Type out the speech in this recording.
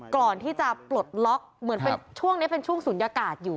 ก่อนที่จะปลดล็อกเหมือนเป็นช่วงนี้เป็นช่วงศูนยากาศอยู่